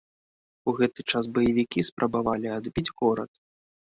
У гэты час баевікі спрабавалі адбіць горад.